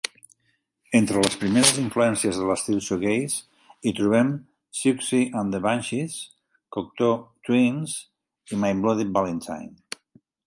Entre les primeres influències de l'estil "shoegaze" hi trobem Siouxsie and the Banshees, Cocteau Twins, i My Bloody Valentine.